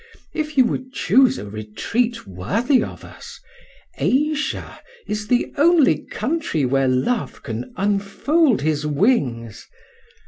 If you would choose a retreat worthy of us, Asia is the only country where love can unfold his wings...."